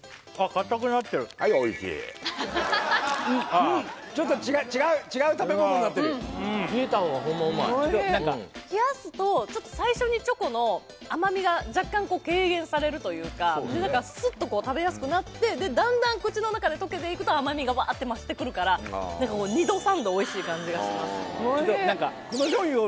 かたくなってるうんちょっと違う食べ物になってる冷やすと最初にチョコの甘みが若干軽減されるというかスッと食べやすくなってだんだん口の中で溶けていくと甘みがワーッて増してくるから２度３度おいしい感じがします